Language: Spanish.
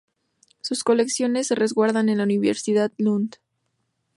Sus colecciones se resguardan en la Universidad de Lund.